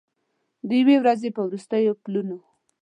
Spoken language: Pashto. د یوې ورځې په وروستیو پلونو